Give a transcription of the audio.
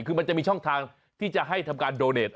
คือมันจะมีช่องทางที่จะให้ทำการโดเดต